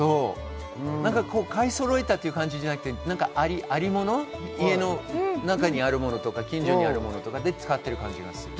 買いそろえたという感じじゃなくて、ありもので家の中にあるものとか近所にあるもので作っている感じがする。